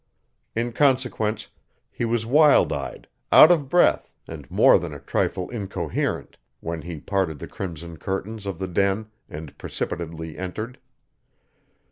In consequence, he was wild eyed, out of breath and more than a trifle incoherent when he parted the crimson curtains of the den and precipitately entered.